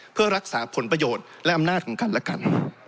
เพื่อรักษาผลประโยชน์และอำนาจของกันและกัน